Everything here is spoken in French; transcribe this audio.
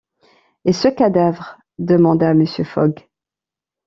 Et ce cadavre? demanda Mr. Fogg.